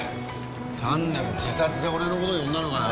単なる自殺で俺の事呼んだのかよ。